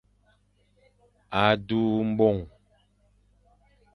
A du mbong.